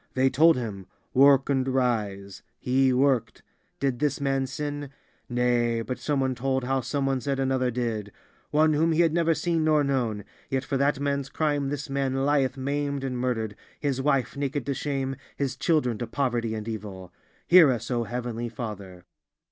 They told him: Work and Rise. He worked. Did this man sin? Nay, but some one told how some one said another did—one whom he had never seen nor known. Yet for that man's crime this man lieth maimed and murdered, his wife naked to shame, his children, to poverty and evil. Hear us, O Heavenly Father!